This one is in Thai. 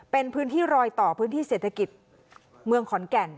เป็นพื้นที่รอยต่อพื้นที่เศรษฐกิจเมืองขอนแก่น